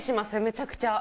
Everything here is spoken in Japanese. めちゃくちゃ。